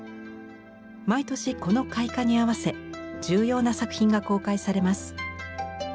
毎年この開花に合わせ重要な作品が公開されます。